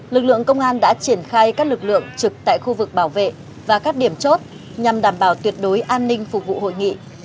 lực lượng công an đã triển khai các lực lượng trực tại khu vực bảo vệ và các điểm chốt nhằm đảm bảo tuyệt đối an ninh phục vụ hội nghị